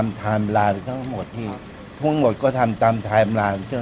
วันนี้คิดว่ามีคนมาพูดเข้าไปว่า๑๐๐วันหรือ